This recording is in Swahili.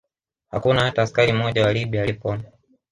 Hakuna hata askari mmoja wa Libya aliyepona